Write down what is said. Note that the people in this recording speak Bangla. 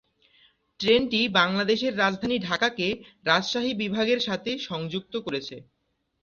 ট্রেনটি বাংলাদেশের রাজধানী ঢাকাকে রাজশাহী বিভাগের সাথে সংযুক্ত করেছে।